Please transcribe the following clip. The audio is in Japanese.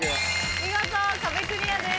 見事壁クリアです。